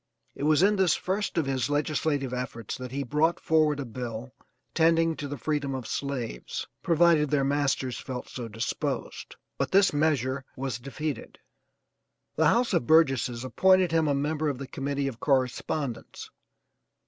It was in this first of his legislative efforts that he brought forward a bill tending to the freedom of slaves, provided their masters felt so disposed, but this measure was defeated. The house of Burgesses appointed him a member of the committee of correspondence.